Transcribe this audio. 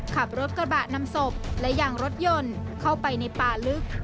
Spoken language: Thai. ขับรถกระบะนำศพและยางรถยนต์เข้าไปในป่าลึก